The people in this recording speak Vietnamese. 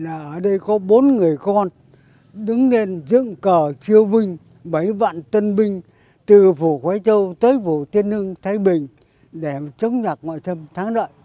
ở đây có bốn người con đứng lên dưỡng cờ triêu vinh bảy vạn tân binh từ phủ quế châu tới phủ tiên hưng thái bình để chống nhạc ngoại thâm tháng đợi